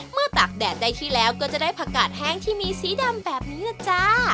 ตากแดดได้ที่แล้วก็จะได้ผักกาดแห้งที่มีสีดำแบบนี้แหละจ้า